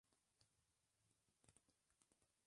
Hay carriles para ciclistas y peatones.